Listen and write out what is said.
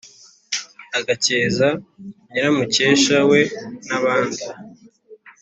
ugakeza nyiramukesha we n'abandi